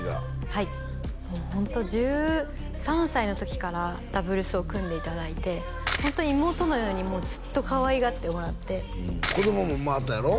はいもうホント１３歳の時からダブルスを組んでいただいてホントに妹のようにずっとかわいがってもらって子供も生まれはったやろ？